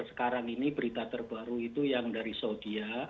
sekarang ini berita terbaru itu yang dari saudi